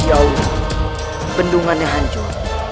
ya allah bendungannya hancur